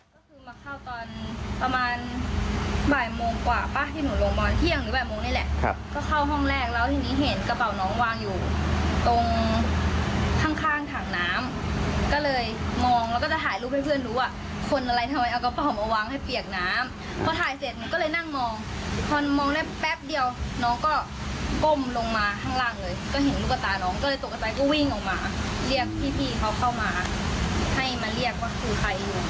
ก็คือมาเข้าตอนประมาณบ่ายโมงกว่าปะที่หนูลงบอลเที่ยงหรือบ่ายโมงนี่แหละครับก็เข้าห้องแรกแล้วทีนี้เห็นกระเป๋าน้องวางอยู่ตรงข้างถังน้ำก็เลยมองแล้วก็จะถ่ายรูปให้เพื่อนรู้อ่ะคนอะไรทำไมเอากระเป๋ามาวางให้เปียกน้ำพอถ่ายเสร็จมันก็เลยนั่งมองพอมองได้แป๊บเดียวน้องก็ก้มลงมาข้างล่างเลยก็เห็นลูก